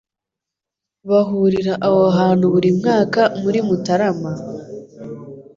bahurira aho hantu buri mwaka muri Mutarama,